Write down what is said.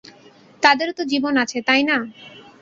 তাদেরও তো জীবন আছে, তাই না?